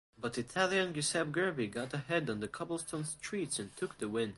But Italian Giuseppe Gerbi got ahead on the cobblestone streets and took the win.